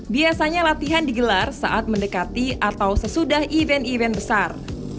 biasanya latihan digelar saat mendekati atau sesudah event event besar